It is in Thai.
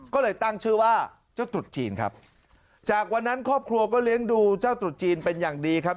ก็เลยตั้งชื่อว่าเจ้าตรุษจีนครับจากวันนั้นครอบครัวก็เลี้ยงดูเจ้าตรุษจีนเป็นอย่างดีครับ